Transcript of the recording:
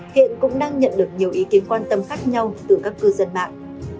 hiện cũng đang nhận được nhiều ý kiến quan tâm khác nhau từ các cư dân mạng